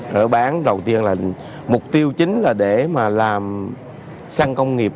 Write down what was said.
hở bán đầu tiên là mục tiêu chính là để mà làm xăng công nghiệp